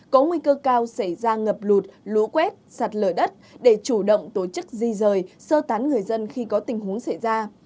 có nguy cơ cao xảy ra ngập lụt lũ quét sạt lở đất để chủ động tổ chức di rời sơ tán người dân khi có tình huống xảy ra